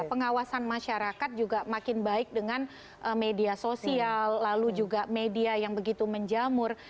pengawasan masyarakat juga makin baik dengan media sosial lalu juga media yang begitu menjamur